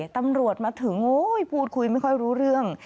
ตำรวจมาถึงโอ้ยพูดคุยไม่ค่อยรู้เรื่อง